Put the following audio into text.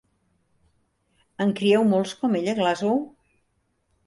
En crieu molts com ell a Glasgow?